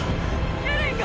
エレンが！！